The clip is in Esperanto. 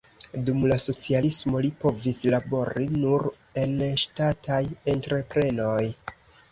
Dum la socialismo li povis labori nur en ŝtataj entreprenoj.